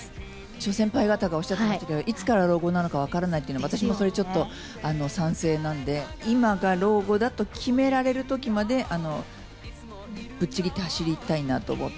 諸先輩方がおっしゃっていたように、いつから老後なのか分からないっていうのが、私もそれちょっと賛成なんで、今が老後だと決められるときまで、ぶっちぎって走りたいなと思って。